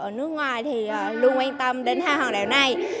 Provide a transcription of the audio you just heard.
ở nước ngoài thì luôn quan tâm đến hai hòn đảo này